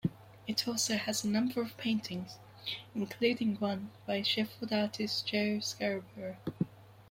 It also has a number of paintings, including one by Sheffield artist Joe Scarborough.